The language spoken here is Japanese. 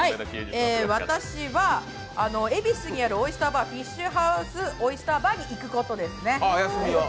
私は恵比寿にあるオイスターバー、フィッシュハウスオイスターバーに行くことです。